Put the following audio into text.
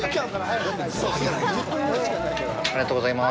ありがとうございます。